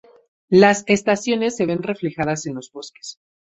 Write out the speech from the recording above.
Las estaciones se ven reflejadas en los bosques.